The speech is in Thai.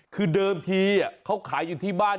คือเดิมทีเขาขายอยู่ที่บ้าน